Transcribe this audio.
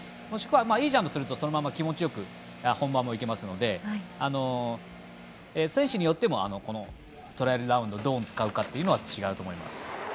もしくはいいジャンプするとそのまま気持ちよく本番もいけますので選手によってもトライアルラウンドどう使うかというのは違うと思います。